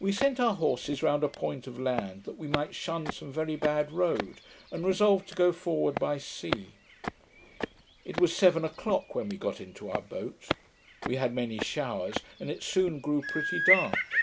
We sent our horses round a point of land, that we might shun some very bad road; and resolved to go forward by sea. It was seven o'clock when we got into our boat. We had many showers, and it soon grew pretty dark.